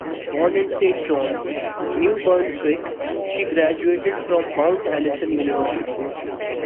Born in Saint John, New Brunswick, she graduated from Mount Allison University.